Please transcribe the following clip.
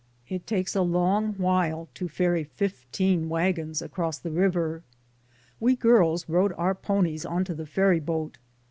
It takes a long while to ferry fifteen, wagons across the river. We girls rode our ponies onto the ferryboat.